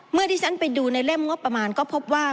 เมื่อที่ฉันไปดูในเล่มงบประมาณก็พบว่า